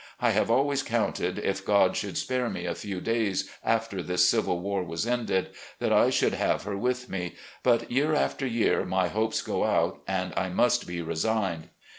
I have always counted, if God should spare me a few days after this Civil War was ended, that I should have her with me, but year after year my hopes go out, and I must be resigned.